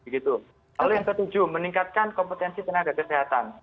lalu yang ketujuh meningkatkan kompetensi tenaga kesehatan